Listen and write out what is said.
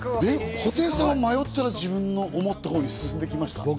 布袋さんは迷ったら自分の思ったほうに進んできました？